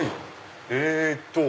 えっと。